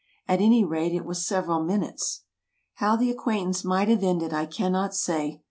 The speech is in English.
At any rate it was several minutes. How the acquaintance might have ended I cannot say.